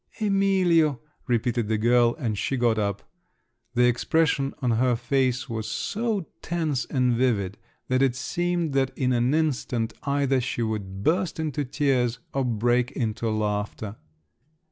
"Emilio!" repeated the girl, and she got up. The expression on her face was so tense and vivid, that it seemed that in an instant either she would burst into tears or break into laughter.